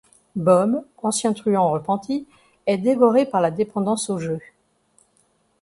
Bob, ancien truand repenti, est dévoré par la dépendance au jeu.